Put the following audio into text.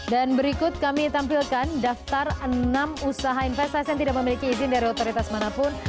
dan berikut kami tampilkan daftar enam usaha investasi yang tidak memiliki izin dari otoritas manapun